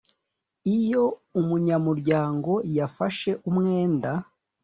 iyo umunyamuryango yafashe umwenda